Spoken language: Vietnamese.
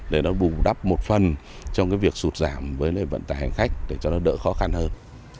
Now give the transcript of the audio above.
để nó bù đắp một phần trong cái việc sụt giảm với vận tải hành khách để cho nó đỡ khó khăn hơn